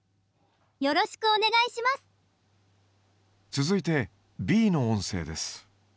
続いてＢの音声です。